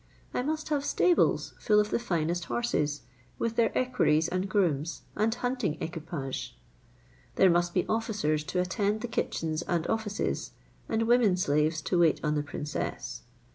I must have stables full of the finest horses, with their equerries and grooms, and hunting equipage. There must be officers to attend the kitchens and offices, and women slaves to wait on the princess.